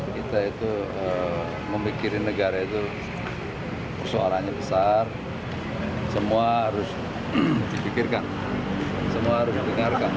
kita itu memikirkan negara itu suaranya besar semua harus dipikirkan semua harus ditinggalkan